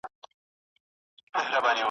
نو بهر له محکمې به څه تیریږي .